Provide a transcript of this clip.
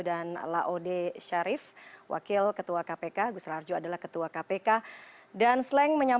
bisa diinformasikan apa dakwaannya